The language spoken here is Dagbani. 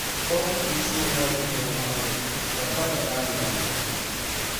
Wɔbigu bia suhurila nyɛvili wɔɣinli ka pa ni barilim ŋuna.